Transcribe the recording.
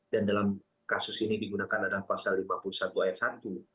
dan dalam kasus ini digunakan adalah pasal lima puluh satu ayat satu